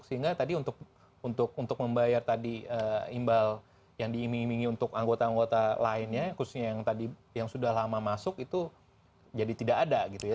sehingga tadi untuk membayar tadi imbal yang diiming imingi untuk anggota anggota lainnya khususnya yang tadi yang sudah lama masuk itu jadi tidak ada gitu ya